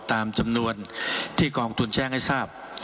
ตามจำนวนที่กองทุนแจ้งให้ทราบ